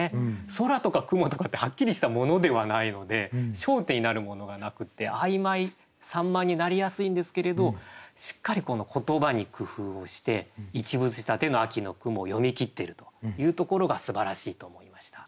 空とか雲とかってはっきりしたものではないので焦点になるものがなくって曖昧散漫になりやすいんですけれどしっかりこの言葉に工夫をして一物仕立ての「秋の雲」を詠み切っているというところがすばらしいと思いました。